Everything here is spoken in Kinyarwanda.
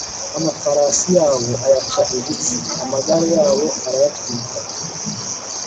amafarasi yabo ayaca ibitsi, amagare yabo arayatwika